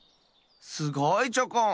すごいチョコン。